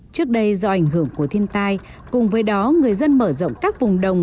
trước đây do ảnh hưởng của thiên tai cùng với đó người dân mở rộng các vùng đồng